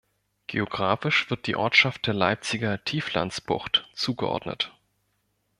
Geografisch wird die Ortschaft der Leipziger Tieflandsbucht zugeordnet.